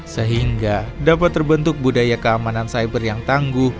sehingga dapat terbentuk budaya keamanan cyber yang tangguh